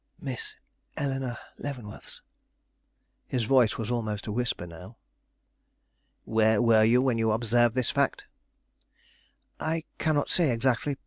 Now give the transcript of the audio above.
"Miss Eleanore Leavenworth's." His voice was almost a whisper now. "Where were you when you observed this fact?" "I cannot say exactly.